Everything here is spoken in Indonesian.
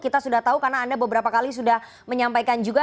kita sudah tahu karena anda beberapa kali sudah menyampaikan juga